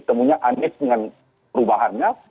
pertama ada yang panis dengan perubahannya